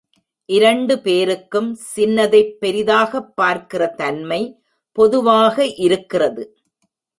இரண்டு பேருக்கும் சின்னதைப் பெரிதாகப் பார்க்கிற தன்மை பொதுவாக இருக்கிறது.